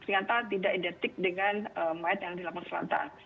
ternyata tidak identik dengan mayat yang di lampung selatan